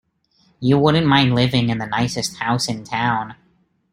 You wouldn't mind living in the nicest house in town.